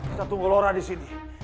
kita tunggu lora disini